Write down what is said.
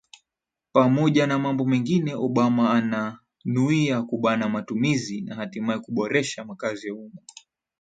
pamoja na mambo mengine obama ananuia kubana matumizi na hatimaye kuboresha makazi ya umma